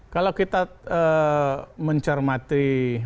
kalau kita mencermati